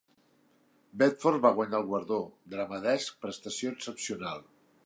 Bedford va guanyar el guardó Drama Desk, prestació excepcional.